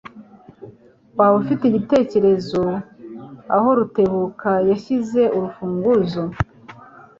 Waba ufite igitekerezo aho Rutebuka yashyize urufunguzo?